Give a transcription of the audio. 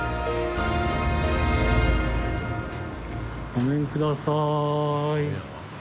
ごめんください。